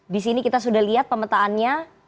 di sini kita sudah lihat pemetaannya